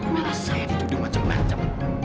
masa saya dituduh macam macam